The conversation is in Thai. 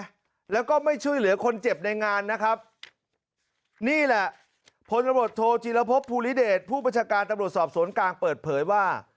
พลตำรวจโทรจีลภพภูริเดชผู้ประชาการตำรวจสอบสวนกลางเปิดเผยว่า